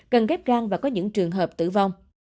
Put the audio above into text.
cần ghép gan và có những trường hợp tử vong